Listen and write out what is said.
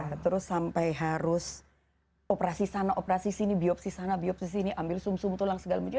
nah terus sampai harus operasi sana operasi sini biopsi sana biopsi sini ambil sum sum tulang segala macam